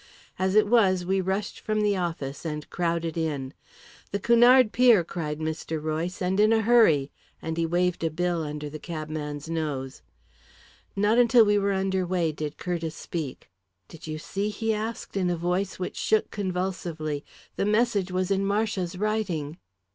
As it was, we rushed from the office and crowded in. "The Cunard pier!" cried Mr. Royce, "and in a hurry!" and he waved a bill under the cabman's nose. Not until we were under way did Curtiss speak. "Did you see?" he asked, in a voice which shook convulsively. "The message was in Marcia's writing."